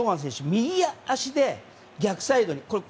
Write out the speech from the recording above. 右足で逆サイドに。